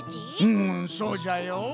うんそうじゃよ。